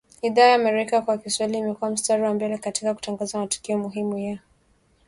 idhaa ya Amerika kwa Kiswahili imekua mstari wa mbele katika kutangaza matukio muhimu ya